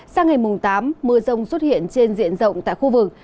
sang ngày mùng tám mưa rông xuất hiện trên diện rộng tại khu vực